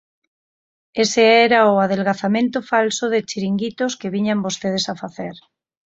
Ese era o adelgazamento falso de chiringuitos que viñan vostedes a facer.